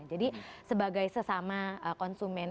jadi sebagai sesama konsumen